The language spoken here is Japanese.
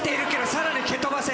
さらに蹴飛ばせ。